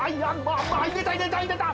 入れた入れた入れた。